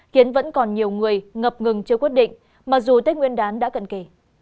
khiến vẫn còn nhiều người ngập ngừng chưa quyết định mặc dù tết nguyên đán đã cận kề